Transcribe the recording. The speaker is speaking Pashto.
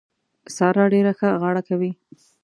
سارا ډېره ښه غاړه کوي.